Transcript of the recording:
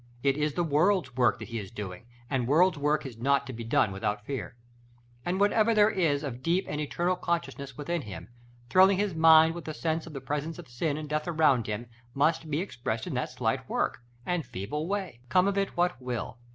It is the world's work that he is doing, and world's work is not to be done without fear. And whatever there is of deep and eternal consciousness within him, thrilling his mind with the sense of the presence of sin and death around him, must be expressed in that slight work, and feeble way, come of it what will.